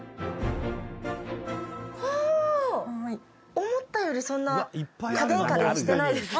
お思ったよりそんな家電家電してないですね。